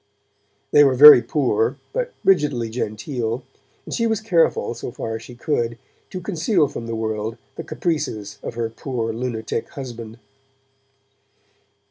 They were very poor, but rigidly genteel, and she was careful, so far as she could, to conceal from the world the caprices of her poor lunatic husband.